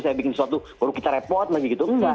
saya bikin sesuatu baru kita repot lagi gitu